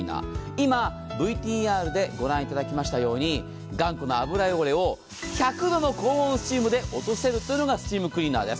今、ＶＴＲで御覧頂きましたように頑固な油汚れを１００度の高温スチームで落とせるというのがスチームクリーナーです。